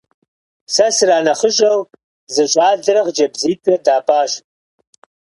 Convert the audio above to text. Сэ сранэхъыщӀэу зы щӏалэрэ хъыджэбзитӏрэ дапӀащ.